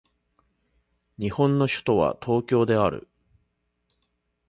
日本の首都は東京である